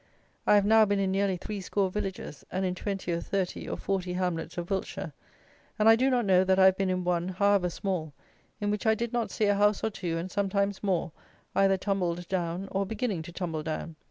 I have now been in nearly threescore villages, and in twenty or thirty or forty hamlets of Wiltshire; and I do not know that I have been in one, however small, in which I did not see a house or two, and sometimes more, either tumbled down, or beginning to tumble down.